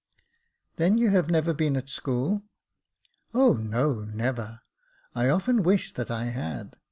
" Then you have never been at school ?"" O no — never. I often wish that I had.